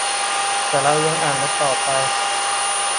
แต่เราก็ยังอ่านกันต่อไป